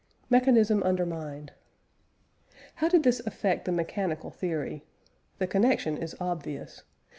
MECHANISM UNDERMINED. How did this affect the mechanical theory? The connection is obvious.